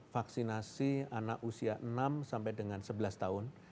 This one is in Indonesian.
vaksinasi anak usia enam sebelas tahun